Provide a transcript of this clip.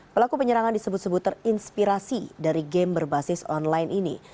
pelaku penyerangan disebut sebut terinspirasi dari game berbasis online ini